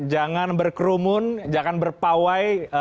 jangan berkerumun jangan berpawai